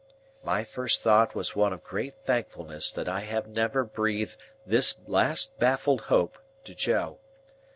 My first thought was one of great thankfulness that I had never breathed this last baffled hope to Joe.